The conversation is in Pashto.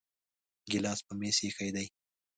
ګلاس په میز ایښی دی